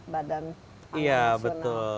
badan anggun iya betul